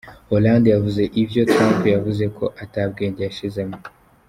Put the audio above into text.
Hollande yavuze ko ivyo Trump yavuze ata bwenge yashizemwo.